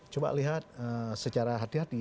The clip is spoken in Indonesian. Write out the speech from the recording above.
coba lihat secara hati hati